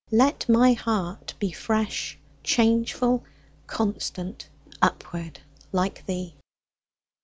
Let my heart be Fresh, changeful, constant, Upward, like thee!